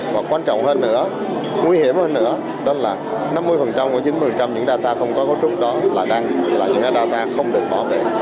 và quan trọng hơn nữa nguy hiểm hơn nữa đó là năm mươi của chín mươi những data không có cấu trúc đó là đang là những ha không được bảo vệ